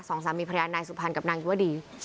สองสามีภรรยานนายสุภัณฑ์กับนางอยู่ว่าดี